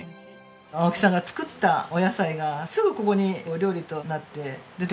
青木さんが作ったお野菜がすぐここにお料理となって出てくるんですよね。